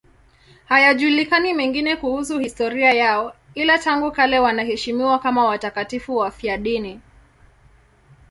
Hayajulikani mengine kuhusu historia yao, ila tangu kale wanaheshimiwa kama watakatifu wafiadini.